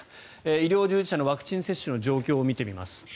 医療従事者のワクチン接種の状況を見てみます。